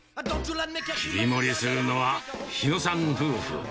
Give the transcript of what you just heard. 切り盛りするのは、日野さん夫婦。